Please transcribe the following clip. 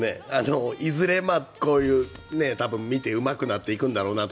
いずれ、こういう見てうまくなっていくんだろうなと。